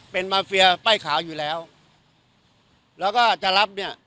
เป็นมาเฟียป้ายขาวอยู่แล้วแล้วก็จะรับเนี่ย